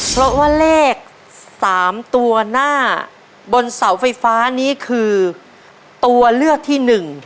เพราะว่าเลข๓ตัวหน้าบนเสาไฟฟ้านี้คือตัวเลือกที่หนึ่ง